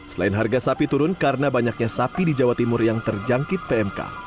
selain harga sapi turun karena banyaknya sapi di jawa timur yang terjangkit pmk